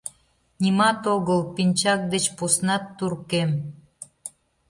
Нимат огыл, пинчак деч поснат туркем...